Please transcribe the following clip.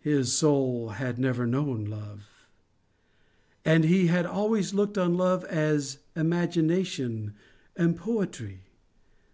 His soul had never known love; and he had always looked on love as imagination and poetry.